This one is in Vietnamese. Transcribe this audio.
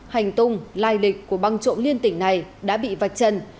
hành tùng lai lịch của băng trộm liên tỉnh này đã bị vạch chân